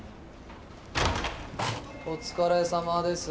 お疲れさまです。